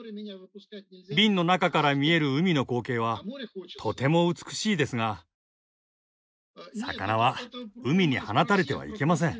瓶の中から見える海の光景はとても美しいですが魚は海に放たれてはいけません。